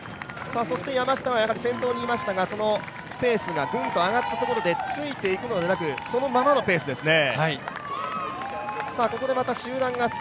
山下はやはり先頭にいましたがそのペースがぐんと上がったところで、ついていくのではなく、そのままのペースですね。